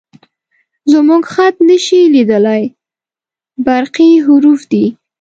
_زموږ خط نه شې لېدلی، برقي حروف دي